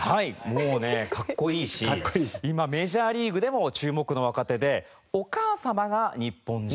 もうねかっこいいし今メジャーリーグでも注目の若手でお母様が日本人。